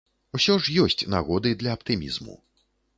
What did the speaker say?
Усё ж ёсць нагоды для аптымізму.